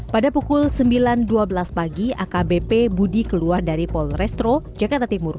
pada pukul sembilan dua belas pagi akbp budi keluar dari polrestro jakarta timur